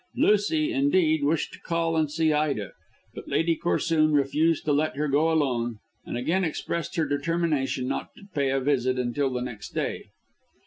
Lucy, indeed, wished to call and see Ida, but Lady Corsoon refused to let her go alone, and again expressed her determination not to pay a visit until the next day.